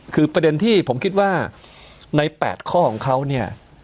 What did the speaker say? คือประเด็นที่ผมคิดว่าใน๘ข้อของเขาเนี่ย